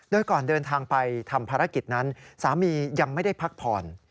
โดยก่อนเดินทางไปทำภารกิจนั้นสามียังไม่ได้พักผ่อน